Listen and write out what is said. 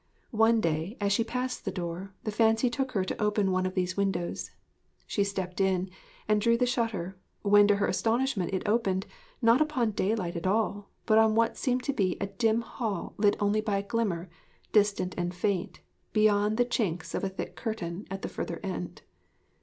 One day, as she passed the door, the fancy took her to open one of these windows. She stepped in and drew the shutter, when to her astonishment it opened, not upon daylight at all, but what seemed to be a dim hall lit only by a glimmer, distant and faint, behind the chinks of a thick curtain at the further end.